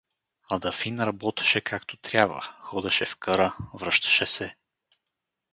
А Дафин работеше, както трябва, ходеше в къра, връщаше се.